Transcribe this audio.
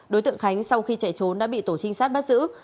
đối tượng khánh sau khi chạy trốn đã bị tổ trinh sát bắt giữ